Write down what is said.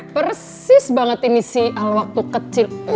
persis banget ini si alwaktu kecil